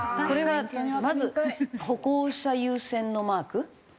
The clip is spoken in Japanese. これはまず歩行者優先のマーク？